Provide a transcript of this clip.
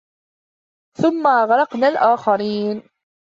ثُمَّ أَغرَقنَا الآخَرينَ